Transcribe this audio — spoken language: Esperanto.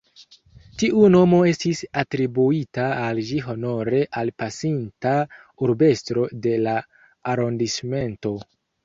Tiu nomo estis atribuita al ĝi honore al pasinta urbestro de la arondismento.